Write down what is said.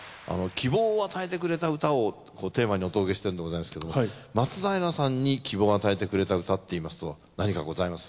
希望を与えてくれた歌をテーマにお届けしてるんでございますけれども松平さんに希望を与えてくれた歌っていいますと何かございます？